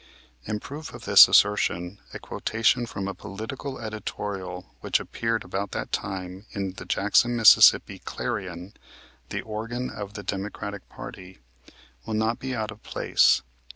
In proof of this assertion a quotation from a political editorial which appeared about that time in the Jackson, Mississippi, Clarion, the organ of the Democratic party, will not be out of place.